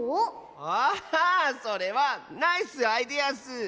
あっそれはナイスアイデアッス。